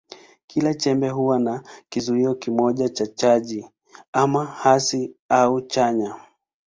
Kila chembe huwa na kizio kimoja cha chaji, ama hasi au chanya.